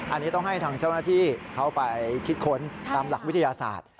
อันนี้ต้องให้ทางเจ้าหน้าที่เขาไปคิดค้นตามหลักวิทยาศาสตร์